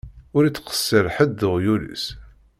Ur ittqessir ḥedd d uɣyul-is.